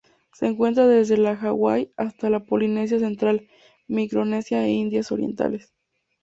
Se encuentra desde las Hawaii hasta la Polinesia Central, Micronesia e Indias Orientales.